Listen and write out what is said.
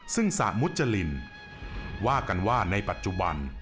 ซึ่งสระมุจรินว่ากันว่าในปัจจุบัน